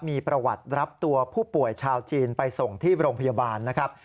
มีประวัติรับตัวผู้ป่วยชาวจีนไปส่งที่โรงพยาบาลนะครับ